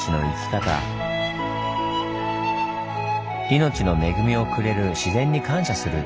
命の恵みをくれる自然に感謝する。